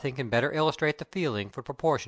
tter ilkistrate the feeHrig for proportion w?